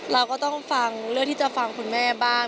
เราก็ต้องฟังเลือกที่จะฟังคุณแม่บ้าง